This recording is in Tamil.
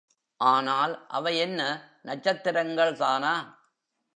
ஆனால், அவை என்ன நட்சத்திரங்கள் தானா?